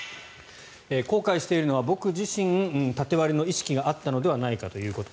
後悔しているのは僕自身縦割りの意識があったのではないかということ